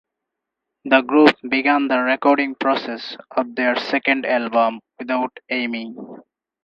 The group began the recording process of their second album without Aimee.